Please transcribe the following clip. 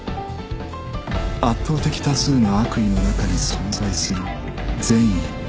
圧倒的多数の悪意の中に存在する善意